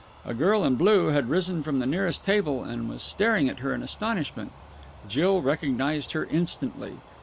A girl in blue had risen from the nearest table, and was staring at her in astonishment. Jill recognized her instantly.